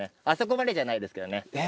あそこまでじゃないですけどね。